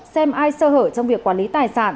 xem ai sơ hở trong việc quản lý tài sản